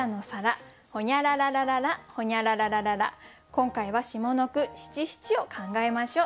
今回は下の句七七を考えましょう。